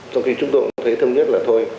sau khi chúng tôi thấy thống nhất là thôi